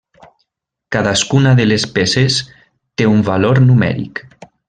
Cadascuna de les peces té un valor numèric.